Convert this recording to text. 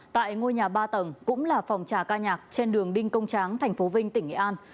tại ngôi nhà ba tầng cũng là phòng trà ca nhạc trên đường đinh công tráng thành phố vinh tỉnh nghệ an